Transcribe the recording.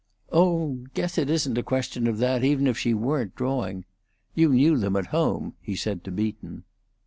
"Oh, guess it isn't a question of that, even if she weren't drawing. You knew them at home," he said to Beaton.